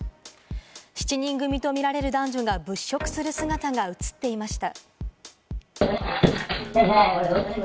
７人組と見られる男女が物色する姿が映っていました。